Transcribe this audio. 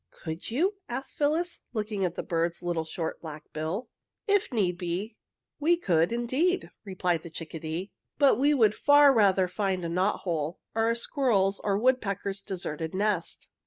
'" "Could you?" asked Phyllis, looking at the bird's little short black bill. "If need be, we could, indeed," replied the chickadee. "But we would far rather find a knot hole, or a squirrel's or woodpecker's deserted nest.